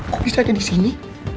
kok bisa ada disini